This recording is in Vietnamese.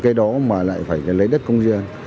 cái đó mà lại phải lấy đất công viên